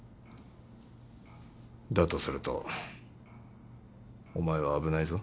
だとするとお前は危ないぞ。